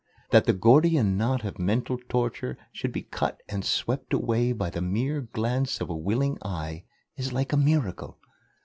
That the Gordian knot of mental torture should be cut and swept away by the mere glance of a willing eye is like a miracle.